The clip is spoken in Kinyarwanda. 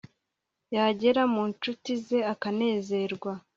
yagera mu ncuti ze akanezerwa